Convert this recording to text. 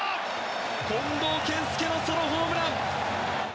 近藤健介のソロホームラン！